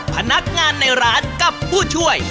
พนักงานในร้านกับผู้ช่วย